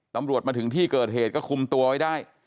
ตำรวจมาถึงที่เกิดเหตุก็คุมตัวไว้ได้